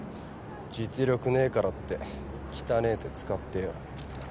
実力ねえからって汚え手使ってよ。